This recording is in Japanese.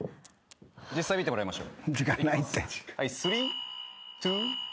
実際見てもらいましょう。